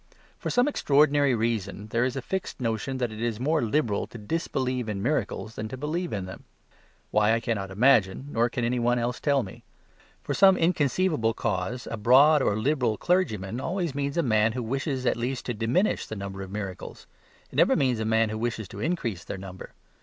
For some extraordinary reason, there is a fixed notion that it is more liberal to disbelieve in miracles than to believe in them. Why, I cannot imagine, nor can anybody tell me. For some inconceivable cause a "broad" or "liberal" clergyman always means a man who wishes at least to diminish the number of miracles; it never means a man who wishes to increase that number.